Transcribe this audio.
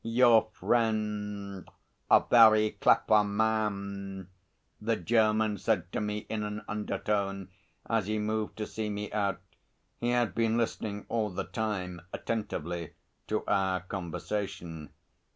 "Your friend a very clever man!" the German said to me in an undertone as he moved to see me out; he had been listening all the time attentively to our conversation.